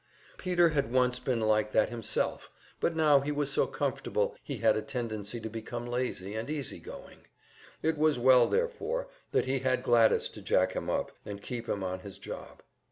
Peter had once been like that himself, but now he was so comfortable, he had a tendency to become lazy and easy going. It was well, therefore, that he had Gladys to jack him up, and keep him on his job.